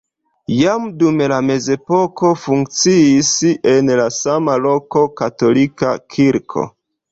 Jam dum la mezepoko funkciis en la sama loko katolika kirko.